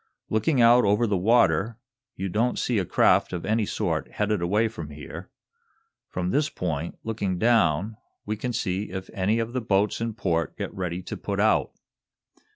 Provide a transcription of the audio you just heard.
Looking out over the water you don't see a craft of any sort headed away from here. From this point, looking down, we can see if any of the boats in port get ready to put out.